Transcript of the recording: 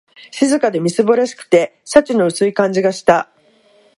静かで、みすぼらしくて、幸の薄い感じがした